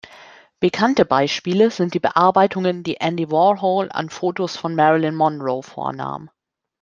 Bekannte Beispiele sind die Bearbeitungen, die Andy Warhol an Fotos von Marilyn Monroe vornahm.